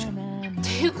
っていうか